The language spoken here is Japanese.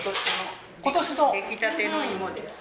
今年の出来たての芋です